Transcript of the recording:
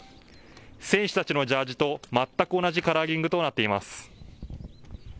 選手たちのジャージと全く同じカラーリングとなっています。